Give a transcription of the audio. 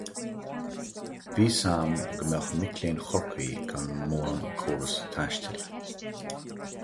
Bhí a fhios agam go mbeadh mic léinn Chorcaí gan mórán córas taistil.